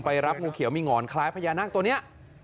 รับงูเขียวมีหงอนคล้ายพญานาคตัวนี้